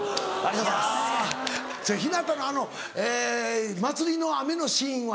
じゃあ日向のあの祭りの雨のシーンは？